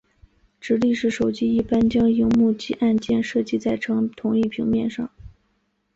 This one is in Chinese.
直立式手机一般将萤幕及按键设计成在同一平面上。